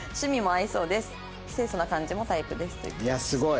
いやすごい！